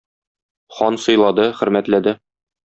Хан сыйлады, хөрмәтләде.